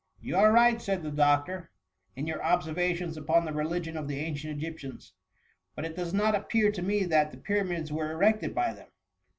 ^You are right,'' said the doctor, " in your observations upon the religion of the ancient Egyptians ; but it does not appear to me that the Pyramids were erected by them."